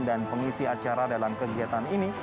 dan pengisi acara dalam kegiatan ini